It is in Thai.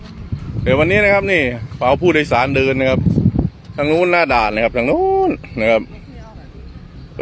เดี๋ยววันนี้ครับพวกผู้โดยสารเดินทางนู้นหน้าด่านครับ